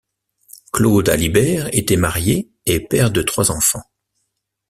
Claude Alibert était marié et père de trois enfants.